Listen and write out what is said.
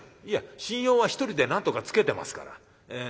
「いや信用は１人でなんとかつけてますから。